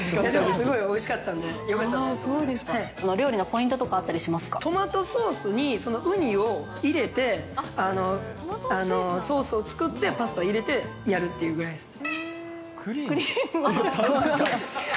すごいおいしかったんで、料理のポイントとかあったりトマトソースにウニを入れて、ソースを作って、パスタを入れて、やるっていうぐらいです。